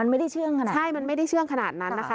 มันไม่ได้เชื่องขนาดนั้น